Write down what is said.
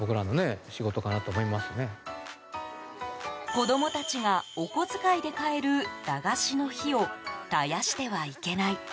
子供たちがお小遣いで買える駄菓子の火を絶やしてはいけない。